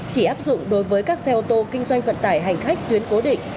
chỉ áp dụng đối với các xe ô tô kinh doanh vận tải hành khách tuyến cố định